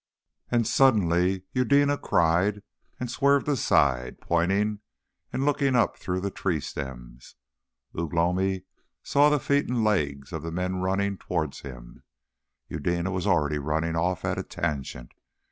And suddenly Eudena cried and swerved aside, pointing, and looking up through the tree stems. Ugh lomi saw the feet and legs of men running towards him. Eudena was already running off at a tangent.